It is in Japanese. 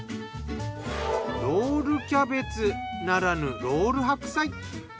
ロールキャベツならぬロール白菜。